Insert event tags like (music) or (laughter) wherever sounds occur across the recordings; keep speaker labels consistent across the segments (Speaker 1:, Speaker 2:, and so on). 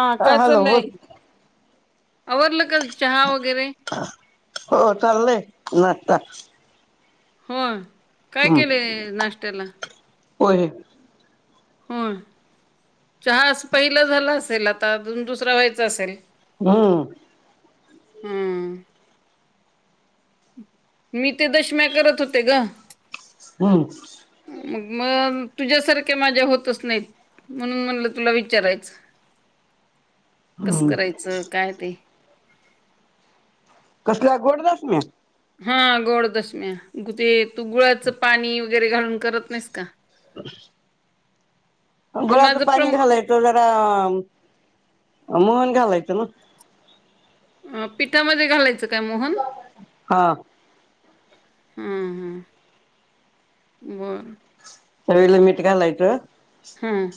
Speaker 1: हा काय
Speaker 2: हॅलो बोल
Speaker 1: चाललंय, आवरलं का चहा वगैरे?
Speaker 2: (unintelligible) हो चाललंय, नाता
Speaker 1: हो, काय केलय नाश्त्याला?
Speaker 2: होय.
Speaker 1: हो, चहा अस पहिलं झालं असेल, आता अजून दुसरा व्हायचा, असेल?
Speaker 2: हम्म.
Speaker 1: हम्म. मी, ते दशम्या करत होते, गं.
Speaker 2: हम्म.
Speaker 1: मग-म तुझ्यासारखे माझे होतच नही, म्हणून म्हणलं तुला विचारायचं. कस
Speaker 2: हम्म
Speaker 1: करायचं, काय ते?
Speaker 2: कसल्या, गोड दशम्या?
Speaker 1: हां, गोड दशम्या म ते तू गुळाचं पाणी वगैरे, घालून करत नाहीस का? ते
Speaker 2: गुळाचं
Speaker 1: माझं
Speaker 2: पाणी
Speaker 1: प्रम
Speaker 2: घालायच, जरा मोहन घालायचं ना?
Speaker 1: अ पिठामध्ये घालायचं का, मोहन?
Speaker 2: हा
Speaker 1: ह्म हं, बर
Speaker 2: चवीला मीठ घालायचं.
Speaker 1: ह्म.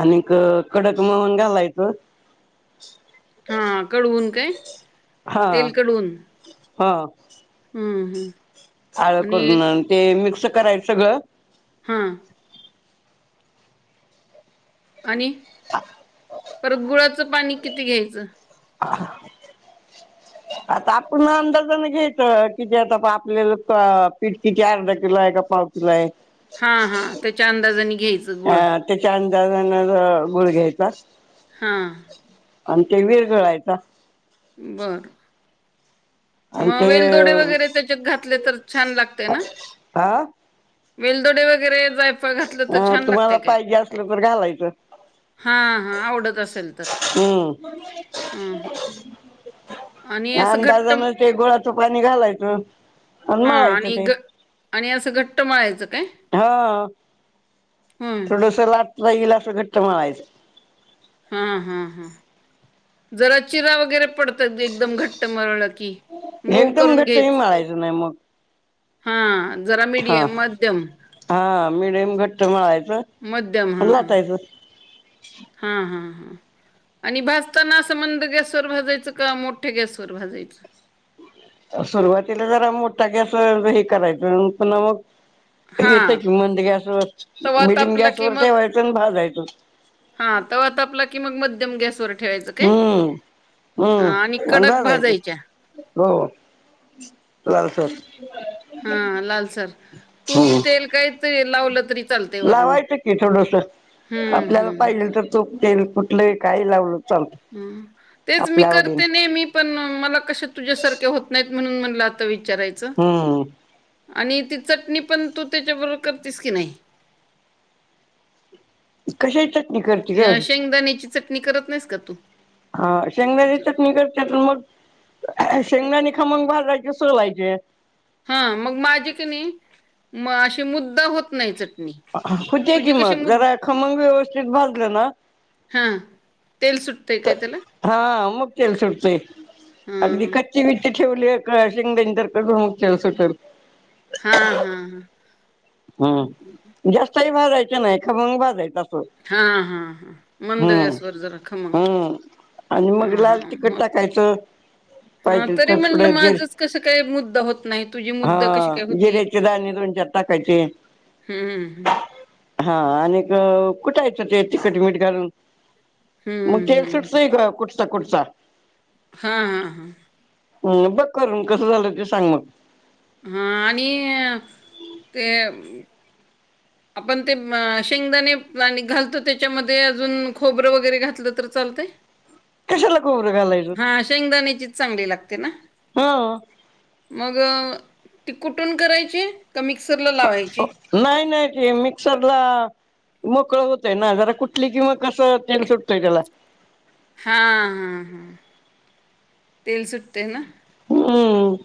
Speaker 2: आणिक्, कडक मोहन घालायचं.
Speaker 1: हां, कडवून काय?
Speaker 2: हां, हा.
Speaker 1: ह्म ह्म.
Speaker 2: आळं करून, ते मिक्स करायचं सगळं.
Speaker 1: ह्म. आणि, परत गुळाचं पाणी, किती घ्यायचं?
Speaker 2: ह (inaudible) आता आपण अंदाजान घ्यायच, किती आता आपल्याला, पिट कीती अर्धा किलो हाय का, पाव किलो आहे?
Speaker 1: हां हां, त्याच्या अंदाजाने, घ्यायचं गुळ.
Speaker 2: अ त्याच्या अंदाजान गुळ घ्यायचा.
Speaker 1: हा.
Speaker 2: आणि ते विरगळायचा.
Speaker 1: बर.
Speaker 2: आणि
Speaker 1: मग
Speaker 2: ते
Speaker 1: वेलदोडे वगैरे त्याच्यात घातले तर छान लागते ना?
Speaker 2: हा
Speaker 1: वेलदोडे वगैरे जायफळ घातलं तर
Speaker 2: अ
Speaker 1: छान
Speaker 2: तुम्हाला
Speaker 1: लागतय काय?
Speaker 2: पाहिजे असलं तर घालायचं
Speaker 1: हा हा. आवडत असेल तर.
Speaker 2: हम्.
Speaker 1: हं, हं. आणि असं घट्ट
Speaker 2: अंदाजान ते गुळाचं पाणी घालायचं आणि
Speaker 1: हां
Speaker 2: मळायचं ते.
Speaker 1: घ आणि असं घट्ट मळायचं काय?
Speaker 2: हो.
Speaker 1: हं.
Speaker 2: थोडस लाटता येईल अस घट्ट मळायचं.
Speaker 1: हम् हम् हम्. जरा चिरा वगैरे पडतात एकदम घट्ट मळलं की. मऊ
Speaker 2: एकदम
Speaker 1: करून
Speaker 2: घट्टही मळायचं नाही मग.
Speaker 1: हा. जरा
Speaker 2: हा
Speaker 1: मीडियम मध्यम.
Speaker 2: हा मिडियम घट्ट मळायचं
Speaker 1: मध्यम हा.
Speaker 2: आणि लाटायचं
Speaker 1: हा हा हा. आणि भाजताना असं मंद गॅसवर भाजायचं का मोठ्या गॅसवर भाजायचं?
Speaker 2: सुरुवातीला जरा मोठा गॅस हे करायचं पुन्हा मग येत
Speaker 1: हां
Speaker 2: कि मंद गॅसवर,
Speaker 1: तवा
Speaker 2: मिडियम
Speaker 1: तापला
Speaker 2: गॅसवर ठेवायचं आणि भाजायचं.
Speaker 1: हा. तवा तापला कि मग मध्यम गॅसवर ठेवायचं काय?
Speaker 2: हं
Speaker 1: हां
Speaker 2: हं.
Speaker 1: आणि
Speaker 2: मग
Speaker 1: कडक
Speaker 2: भाजायचं.
Speaker 1: भाजायच्या
Speaker 2: हो. लालसर.
Speaker 1: हा. लालसर. तूप,
Speaker 2: हम्म
Speaker 1: तेल काय ते लावलं तरी चालतय वरन.
Speaker 2: लावायचं की आपल्याला पाहिजे तस तुप, तेल कुठलंही काही लावल तरी चालतय.
Speaker 1: हं. तेच मी करते नेहमी पण मला कशे तुझ्यासारख्या होत नाहीत म्हणून म्हणल आज विचारायचं.
Speaker 2: हम्म
Speaker 1: आणि ती चटणी पण तू त्याच्याबरोबर करतेस की नाही?
Speaker 2: कशाची चटणी करते? ग
Speaker 1: शेंगदाण्याची चटणी करत नाहीस का तू?
Speaker 2: हा
Speaker 1: त्याच्यावर?
Speaker 2: शेंगदाण्याची चटणी करते तर मग शेंगदाणे खंमग भाजायचे, सोलायचे.
Speaker 1: हा. मग माझी की नाही मग अशी मुद्द होत नाही चटणी.
Speaker 2: हुत्या
Speaker 1: तुझी
Speaker 2: कि
Speaker 1: कशी
Speaker 2: मग.
Speaker 1: मुद
Speaker 2: जरा खमंग व्यवस्थित भाजलं ना
Speaker 1: हा‌. तेल सुटतंय
Speaker 2: तर
Speaker 1: काय त्याला?
Speaker 2: हा. मग तेल सुटतय. अगदी
Speaker 1: हां,
Speaker 2: कच्ची ठेवली का शिंगदाणी तर कसं मग तेल सुटल.
Speaker 1: हा हा हा.
Speaker 2: हम्. जास्तही भाजायचं नाही खमंग भाजायचा आ
Speaker 1: हा हा हा‌ मंद गॅस वर जरा खमंग.
Speaker 2: हम्म आणि
Speaker 1: हां,
Speaker 2: मग लाल
Speaker 1: हां.
Speaker 2: तिखट
Speaker 1: मग
Speaker 2: टाकायचं.
Speaker 1: हां,
Speaker 2: पाहिजेल
Speaker 1: तरी
Speaker 2: तर थोड
Speaker 1: म्हणलं
Speaker 2: जर.
Speaker 1: माझंच कसं काय मुद्दा होत नाही, तुझी
Speaker 2: हा.
Speaker 1: मुद्दा कशी काय होती?
Speaker 2: जिरेचे दाणे दोन-चार का ची
Speaker 1: हं, हं.
Speaker 2: हा. आणिक कुठे यचं ते तिकटमीट घालून. मग
Speaker 1: हं,
Speaker 2: तेल
Speaker 1: हं,
Speaker 2: सुटते कुटता कुटता.
Speaker 1: हा हा हा
Speaker 2: हम्म बघ करून कसं झालं ते सांग मग
Speaker 1: हा आणि ते आपण ते शेंगदाणे आणि घालतो त्याच्यामध्ये अजून खोबरं वगैरे घातलं तर चालतय.
Speaker 2: कशाला खोबरं घालायचं
Speaker 1: हा शेंगदाण्याचीच चांगली लागते ना
Speaker 2: हा
Speaker 1: मग ती कुटून करायची का मिक्सरला लावायची?
Speaker 2: नाही नाही ते मिक्सरला मोकळं होतय ना जरा कुटले की मग कसं तेल सुटतोय त्याला
Speaker 1: हा हा हा तेल सुटते ना
Speaker 2: हम्म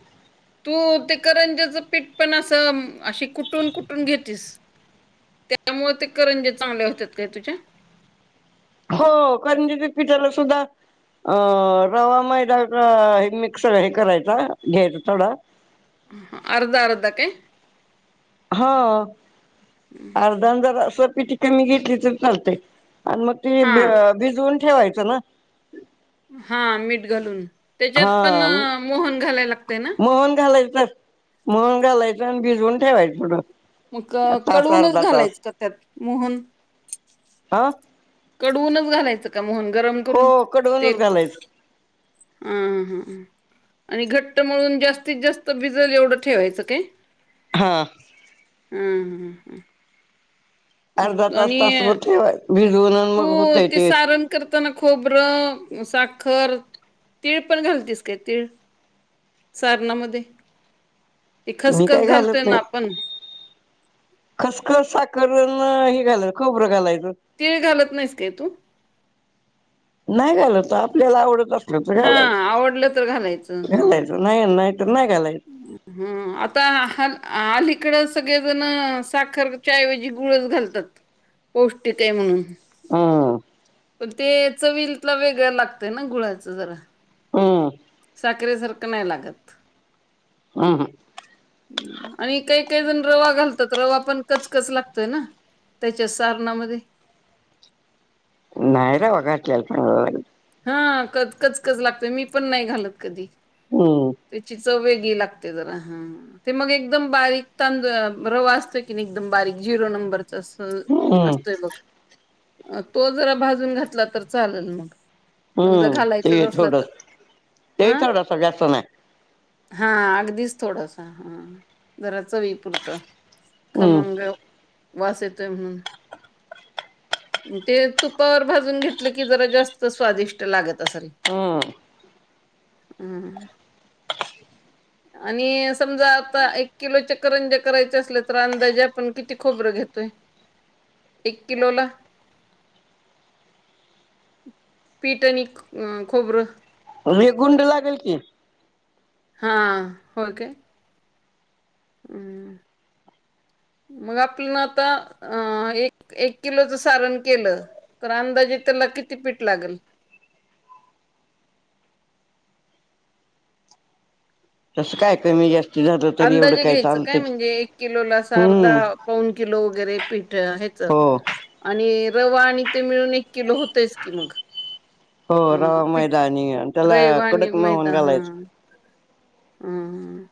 Speaker 1: तू ते करंजाचं पीठ पण असं अशी कुटून कुटून घेेतीस. त्यामुळ ते करंजे चांगल्या होत्यात काय तुझ्या
Speaker 2: हो करंजीच्या पिठाला सुद्धा अ रवा मैदा हे मिक्सर हे करायचा घ्यायचं थोडं
Speaker 1: अर्ध अर्ध काय
Speaker 2: हा अर्ध अर्ध असं पिठी कमी घेतली तर चालतंय आणि मग ते
Speaker 1: हां,
Speaker 2: भिजवून ठेवायचं ना
Speaker 1: हा मीठ घालून त्याच्यात
Speaker 2: हा
Speaker 1: पण मोहन घालाय लागतय ना
Speaker 2: मोहन घालायचं पण मोहन घालायचं आणि भिजवून ठेवायचं थोडं
Speaker 1: मग
Speaker 2: तास
Speaker 1: कडवूनच घालायचं का त्यात मोहन
Speaker 2: आ
Speaker 1: कडवूनच घालायचं का मोहन गरम करून
Speaker 2: कडवूनच
Speaker 1: तेल
Speaker 2: घालायचं
Speaker 1: आ हा हा आणि घट्ट मळून जास्तीत जास्त भिजल एवढं ठेवायचं काय
Speaker 2: हां
Speaker 1: हम्म हम्म हम्म
Speaker 2: अर्धा तास तास
Speaker 1: आणि
Speaker 2: ठेवा भिजवून
Speaker 1: तू
Speaker 2: मग होतय
Speaker 1: ते सारण करताना खोबरं साखर तीळ पण घालतीस काय तीळ सारणामध्ये ते
Speaker 2: मी
Speaker 1: खसखस
Speaker 2: काय घालत
Speaker 1: घालतोय ना
Speaker 2: नाही.
Speaker 1: आपण
Speaker 2: खसखस साखर अन् हे घालायच खोबरं घालायचं.
Speaker 1: तीळ घालत नाहीस काय तू
Speaker 2: नाही घालत आपल्याला आवडत असल तर
Speaker 1: हा आवडलं तर
Speaker 2: घालायचं घालायचं नाही नाही तर नाही घालायचं.
Speaker 1: हम्म आता अलीकड सगळेजण साखर च्याऐवजी गुळच घालतात पौष्टिक ये म्हणून
Speaker 2: हम्म
Speaker 1: पण ते चवीला वेगळं लागतय ना गुळाच जरा
Speaker 2: ह
Speaker 1: साखरेसारखं नाही लागत.
Speaker 2: हम्म हम्म
Speaker 1: आणि काही काही जण रवा घालतात रवा पण कचकच लागतोय ना त्याच्या सारणामध्ये
Speaker 2: नाही रे
Speaker 1: हां कच कच कच लागतय मी पण नाही घालत कधी.
Speaker 2: हम्म.
Speaker 1: त्याची चव वेगळी लागते जरा हां. ते मग एकदम बारीक तां रवा असतो कीनी एकदम बारीक झिरो नंबर तस
Speaker 2: हम्म
Speaker 1: असतोय बग तो जरा भाजून घातला तर चालल मग. समजा
Speaker 2: हम्म
Speaker 1: घालायचंच
Speaker 2: ते
Speaker 1: असलं तर
Speaker 2: थोडस ते
Speaker 1: हं
Speaker 2: थोडासा जास्त नाही
Speaker 1: हां अगदीच थोडासा, हां जरा चवीपुरतं.
Speaker 2: हम्म
Speaker 1: खमंग वास येतोय म्हणून, ते तुपावर भाजून घेतल की जरा जास्त स्वादिष्ट लागत असंल.
Speaker 2: ह
Speaker 1: हम्. आणि समजा आता एक किलोच्या करंज्या करायचे असल्या तर अंदाजे आपण किती खोबरं घेतोय? एक किलो ला? पीठ आणि खबरं.
Speaker 2: व्ह ये गुंड लागल की.
Speaker 1: हां, होय काय? अं. मग आपल न आता अ एक एक किलोच सारण केलं तर अंदाजे त्याला किती पीठ लागल?
Speaker 2: तसं काय कमी जास्त
Speaker 1: अंदाजे घ्यायचं काय म्हणजे एक किलोला आस अर्धा
Speaker 2: हम्म
Speaker 1: पौन किलो वगैरे पीठ हेच
Speaker 2: हो
Speaker 1: आणि रवा आणि ते मिळून एक किलो होतयच की मग.
Speaker 2: हो
Speaker 1: ह
Speaker 2: रवा
Speaker 1: पिठ
Speaker 2: मैदानी त्याला
Speaker 1: रेवा आणी
Speaker 2: कडक मोहन
Speaker 1: मैदा हां.
Speaker 2: घालायचं
Speaker 1: अं हं.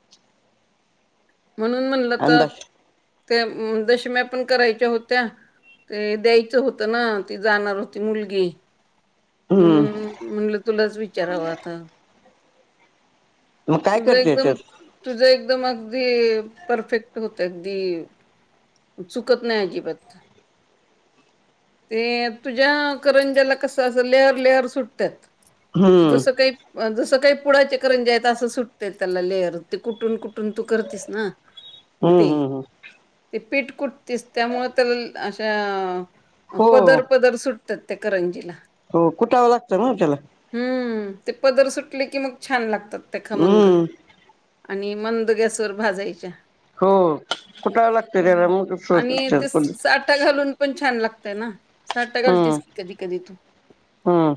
Speaker 1: म्हणून म्हणलं त
Speaker 2: अंदाज
Speaker 1: ते दशम्या पण करायच्या होत्या ते द्यायचं होतं ना ती जाणार होती मुलगी.
Speaker 2: हम्म
Speaker 1: म्हणून म्हटलं तुलाच विचारावं आता.
Speaker 2: मग काय
Speaker 1: तुझं
Speaker 2: करते
Speaker 1: एकदम
Speaker 2: त्यात
Speaker 1: तुझं एकदम अगदी परफेक्ट होतय अगदी चुकत नाही अजिबात. ते तुझ्या करंज्याला कस अस लेअर लेअर सुटत्यात,
Speaker 2: हम्म
Speaker 1: जसं काही जसं काही पुळाचे करंज्या आहेत असं सुटत्यात त्याला लेअर ते कुठून कुठून तू करतीस ना. (inaudible)
Speaker 2: हम हम हम.
Speaker 1: ते पीठ कुटतीस त्यामुळे त्याला अशा पदर
Speaker 2: हो
Speaker 1: पदर सुट त्यात त्या करंजीला.
Speaker 2: हो कुठावं लागतं ना त्याला.
Speaker 1: हम्म ते पदर सुटले की मग छान लागतात त्या खमंग.
Speaker 2: हम्म
Speaker 1: आणि मंद गॅसवर भाजायच्या.
Speaker 2: हो कुठाव लागत त्याला म तस होत (unintelligible)
Speaker 1: साटा घालून पण छान लागतय ना साटा
Speaker 2: हम्म
Speaker 1: घालतेस की कधी कधी तू.
Speaker 2: हम्म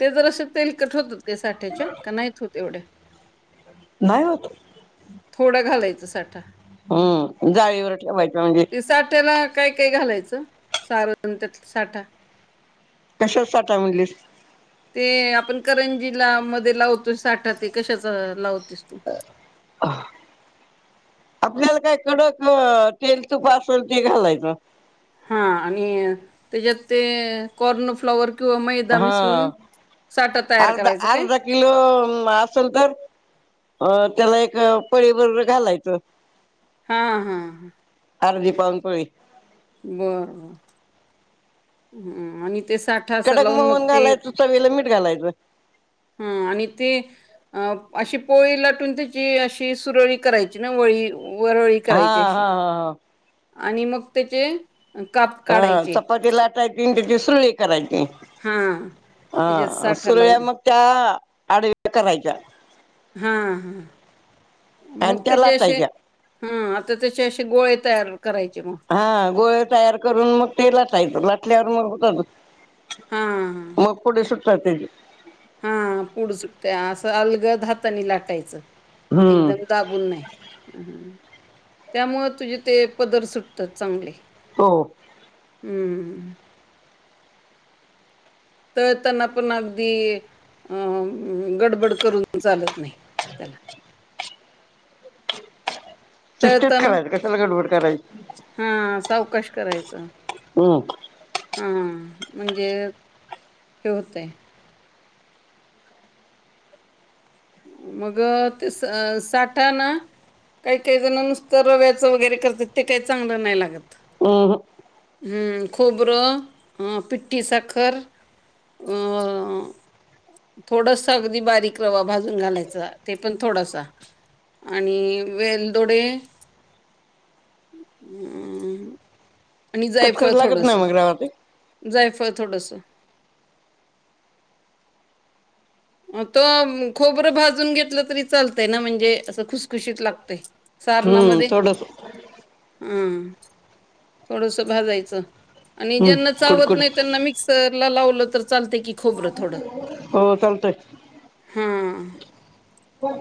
Speaker 1: ते जरास तेलकट होतात का साठ्याच्या? का नाहीत होते येवढ्या?
Speaker 2: नाही होत
Speaker 1: थोडं घालायचं साठा.
Speaker 2: हम्म जाळीवर ठवायचं म्हणजे
Speaker 1: ते साठ्याला काय काय घालायचं? सारण त्यात साठा
Speaker 2: कशाचं साठा म्हणलीस?
Speaker 1: ते आपण करंजीला मध्ये लावतोय साठा ते कशाचं लावतीस तू?
Speaker 2: आपल्याला काय कडक तेल तुप असंल ते घालायचं.
Speaker 1: हा आणि त्याच्यात ते कॉर्न फ्लॉवर किंवा मैदा मिसळून
Speaker 2: हा
Speaker 1: साठा तयार करायचं काय?
Speaker 2: लोम असंल तर? अ त्याला एक पळीभर घालायचं.
Speaker 1: हा हा.
Speaker 2: अर्धी पाऊण पळी.
Speaker 1: बर बर. हम्म आणि ते सा
Speaker 2: कडक मोहन घालायचं चवीला मीठ घालायचं.
Speaker 1: हा आणि ते अ अशी पोळी लाटून त्याची अशी सुरळी करायची ना वळी वरळी
Speaker 2: हा
Speaker 1: करायची अशी
Speaker 2: हा हा
Speaker 1: आणि मग त्याची
Speaker 2: ह चपाती लाटायची अन त्याची सुरळी करायची.
Speaker 1: हा. त्याच्यात
Speaker 2: हा
Speaker 1: साठा
Speaker 2: सुरळ्या
Speaker 1: लावून
Speaker 2: मग त्या आडव्या करायच्या.
Speaker 1: हा हा
Speaker 2: आणि
Speaker 1: मग
Speaker 2: त्या
Speaker 1: त्याचे असे
Speaker 2: लाटायच्या
Speaker 1: हा आता त्याचे असे गोळे तयार करायचे मग.
Speaker 2: हा गोळे तयार करून मग ते लाटायचं लाटल्यावर मग
Speaker 1: हा हा
Speaker 2: मग कोड सुटताय त्याचे
Speaker 1: हा पुढ सुटतंय असं अलगद हातानी लाटायचं
Speaker 2: हम्म
Speaker 1: एकदम दा बून नाही त्यामुळे तुझे ते पदर सुटतात चांगले.
Speaker 2: हो.
Speaker 1: हम्म. तर त्यांना पण अगदी. अं गडबड करून चालत नाही त्याला. (inaudible)
Speaker 2: शिस्तात
Speaker 1: तळताना
Speaker 2: करायचं कशाला गडबड करायची?
Speaker 1: हा सावकाश करायचं.
Speaker 2: हम्म
Speaker 1: हा म्हणजे हे होतंय मग ते साठा ना काही काही जण नुसतं रव्याचं वगैरे करतात ते काही चांगलं नाही लागत.
Speaker 2: हम्म
Speaker 1: हम्म खोबरं, पिठी साखर अ थोडस अगदी बारीक रवा भाज जून घालायचा ते पण थोडासा आणि वेलदोडे हम्म आणि जायफळ
Speaker 2: कटकट लागत
Speaker 1: थोडंस
Speaker 2: नाही मग रवा ते
Speaker 1: जायफळ थोडंसं. त खोबरं भाजून घेतलं तरी चालतंय ना म्हणजे असं खुसखुशीत लागतंय.
Speaker 2: हम्म
Speaker 1: सारणामध्ये
Speaker 2: थोडस
Speaker 1: हा थोडंसं भाजायचं. आणि
Speaker 2: हम्म
Speaker 1: ज्यांना चावत
Speaker 2: कुडकुड
Speaker 1: नाही त्यांना मिक्सरला लावलं तर चालतयं की खोबरं थोडं.
Speaker 2: हो चालतय.
Speaker 1: हां.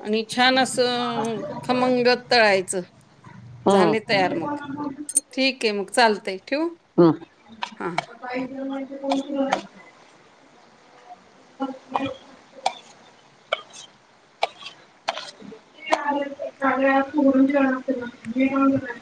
Speaker 1: आणि छान असं खमंग तळायचं.
Speaker 2: हो.
Speaker 1: झाले तयार मग ठीक आहे मग चालतय ठीव
Speaker 2: हं
Speaker 1: हां
Speaker 2: (unintelligible) (unintelligible)